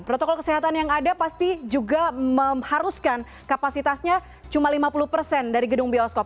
protokol kesehatan yang ada pasti juga mengharuskan kapasitasnya cuma lima puluh persen dari gedung bioskop